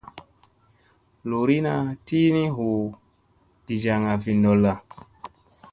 Luurina tiini hu gijaŋga vi ɗolla.